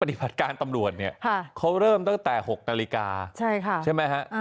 ปฏิบัติการตำรวจเนี่ยเขาเริ่มตั้งแต่๖นาฬิกาใช่ไหมฮะ